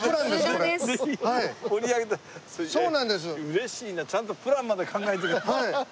嬉しいなちゃんとプランまで考えて。